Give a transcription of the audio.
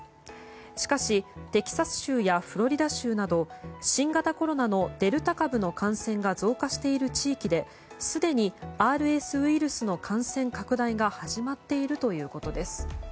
しかしテキサス州やフロリダ州など新型コロナのデルタ株の感染が増加している地域ですでにＲＳウイルスの感染拡大が始まっているということです。